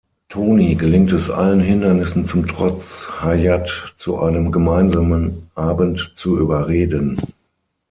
Toni gelingt es allen Hindernissen zum Trotz, Hayat zu einem gemeinsamen Abend zu überreden.